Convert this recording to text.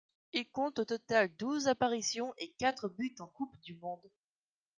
Il compte au total douze apparitions et quatre buts en Coupe du monde.